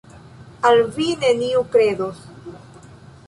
Al vi neniu kredos.